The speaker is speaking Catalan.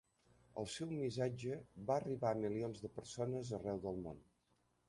El seu missatge va arribar a milions de persones arreu del món.